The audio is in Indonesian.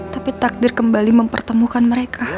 tapi takdir kembali mempertemukan mereka